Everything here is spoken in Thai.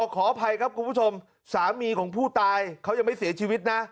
ขออภัยครับคุณผู้ชมสามีของผู้ตายเขายังไม่เสียชีวิตนะ